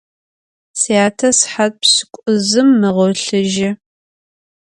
Syate sıhat pş'ık'uzım meğolhıjı.